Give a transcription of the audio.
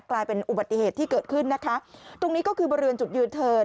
กลายเป็นอุบัติเหตุที่เกิดขึ้นนะคะตรงนี้ก็คือบริเวณจุดยืนเทิร์น